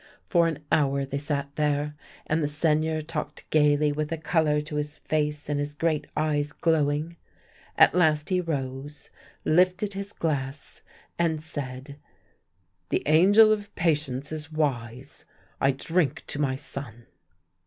For an hour they sat there, and the Seigneur talked gaily with a colour to his face, and his great eyes glowing. At last he rose, lifted his glass, and said :" The Angel of Patience is wise. I drink to my son